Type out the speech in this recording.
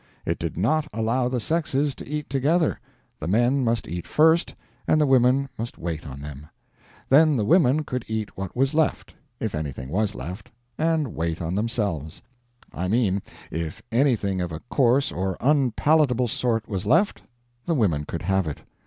It did not allow the sexes to eat together; the men must eat first, and the women must wait on them. Then the women could eat what was left if anything was left and wait on themselves. I mean, if anything of a coarse or unpalatable sort was left, the women could have it.